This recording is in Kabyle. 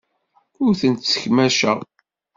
Ur tent-ssekmaceɣ.